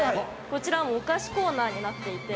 こちらお菓子コーナーになっていて。